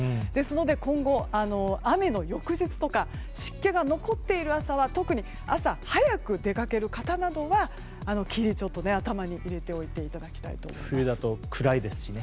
ですので今後雨の翌日とか湿気が残っている朝は特に朝早く出かける方などは霧は頭に入れておいていただきたいと思います。